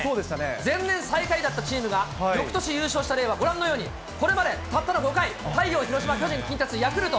前年最下位だったチームがよくとし優勝した例は、ご覧のようにこれまでたったの５回、大洋、広島、巨人、近鉄、ヤクルト。